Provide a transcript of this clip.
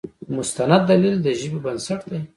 مستند دلیل د ژبې بنسټ دی.